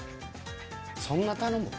そんな頼む？